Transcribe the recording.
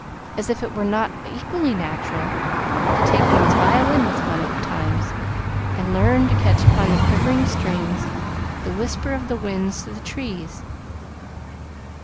As if it were not equally natural to take one's violin with one at times, and learn to catch upon the quivering strings the whisper of the winds through the trees!